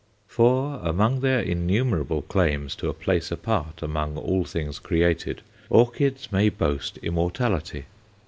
For among their innumerable claims to a place apart among all things created, orchids may boast immortality.